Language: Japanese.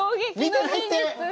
見てないって！